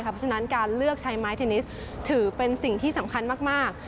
เพราะฉะนั้นการเลือกใช้ไม้เทนนิสถือเป็นสิ่งที่สำคัญมาก